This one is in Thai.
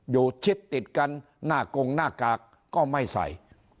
ชิดติดกันหน้ากงหน้ากากก็ไม่ใส่